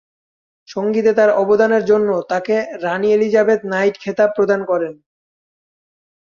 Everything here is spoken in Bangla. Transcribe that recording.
সঙ্গীতে তার অবদানের জন্য তাকে রাণী এলিজাবেথ নাইট খেতাব প্রদান করেন।